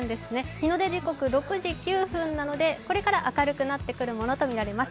日の出時刻６時９分なので、これから明るくなってくるものとみられます。